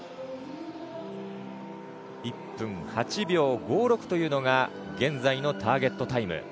１分８秒５６というのが現在のターゲットタイム。